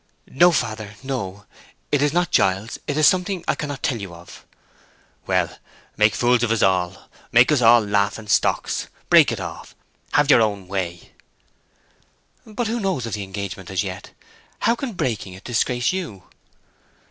"No, father, no! It is not Giles—it is something I cannot tell you of—" "Well, make fools of us all; make us laughing stocks; break it off; have your own way." "But who knows of the engagement as yet? how can breaking it disgrace you?"